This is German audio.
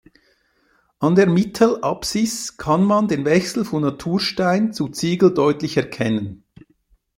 An der Mittelapsis kann man den Wechsel von Naturstein zu Ziegel deutlich erkennen.